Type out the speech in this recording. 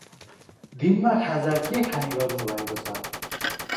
दिनमा खाजा के खाने गर्नुभएको छ?